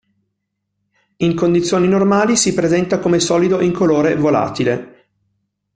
In condizioni normali si presenta come solido incolore volatile.